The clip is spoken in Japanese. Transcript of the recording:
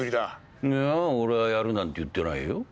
いや俺はやるなんて言ってないよ。